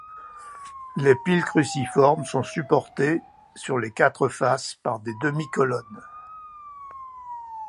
Les piles cruciformes, sont supportées sur les quatre faces par des demi-colonnes.